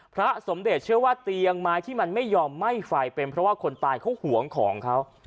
พระสมเด็จเชื่อว่าเตียงไม้ที่มันไม่ยอมไหม้ไฟเป็นเพราะว่าคนตายเขาห่วงของเขา